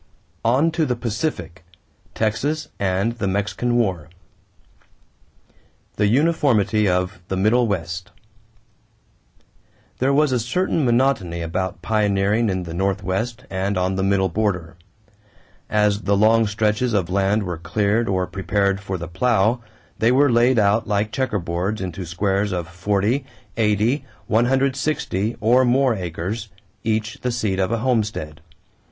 ON TO THE PACIFIC TEXAS AND THE MEXICAN WAR =The Uniformity of the Middle West.= There was a certain monotony about pioneering in the Northwest and on the middle border. As the long stretches of land were cleared or prepared for the plow, they were laid out like checkerboards into squares of forty, eighty, one hundred sixty, or more acres, each the seat of a homestead.